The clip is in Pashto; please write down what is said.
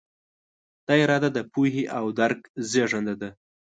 دا اراده د پوهې او درک زېږنده ده.